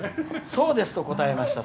「そうですと答えました。